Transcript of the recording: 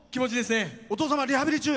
お父様リハビリ中？